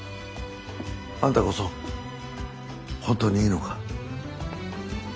あんたこそ本当にいいのか？